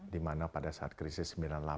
dimana pada saat krisis sembilan puluh delapan